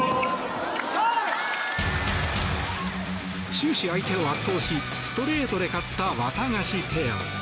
終始、相手を圧倒しストレートで勝ったワタガシペア。